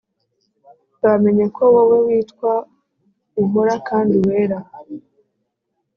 bamenye ko wowe witwa uhora kandi wera